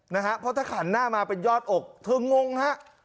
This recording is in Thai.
นะฮะเพราะถ้าหันหน้ามาเป็นยอดอกเธองงฮะ